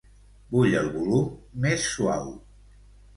Vull el volum més suau.